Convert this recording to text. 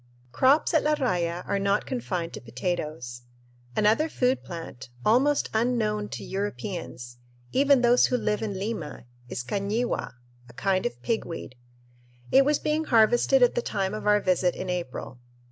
Crops at La Raya are not confined to potatoes. Another food plant, almost unknown to Europeans, even those who live in Lima, is cañihua, a kind of pigweed. It was being harvested at the time of our visit in April.